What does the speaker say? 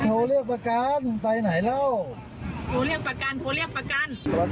โทรเรียกประกันไปไหนแล้วโทรเรียกประกันโทรเรียกประกัน